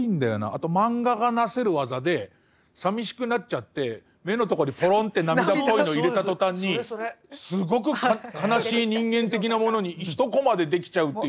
あと漫画がなせるわざでさみしくなっちゃって目のとこにポロンって涙っぽいの入れた途端にすごく悲しい人間的なものに一コマで出来ちゃうっていう。